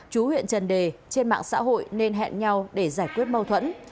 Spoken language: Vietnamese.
trú huyện trần đề trên mạng xã hội nên hẹn nhau để giải quyết mô thuẫn